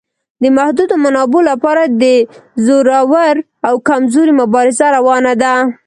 د محدودو منابعو لپاره د زورور او کمزوري مبارزه روانه ده.